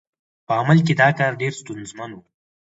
په عمل کې دا کار ډېر ستونزمن و.